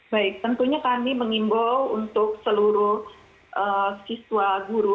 baik tentunya kami mengimbau untuk seluruh siswa guru